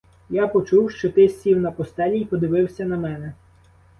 Я почув, що ти сів на постелі й подивився на мене.